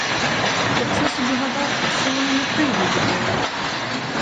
Я все собі гадав, що воно не прийде до того.